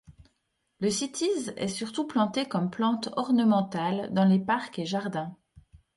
Le cytise est surtout planté comme plante ornementale dans les parcs et jardins.